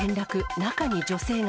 中に女性が。